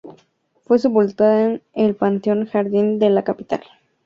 Fue sepultada en el Panteón Jardín de la capital.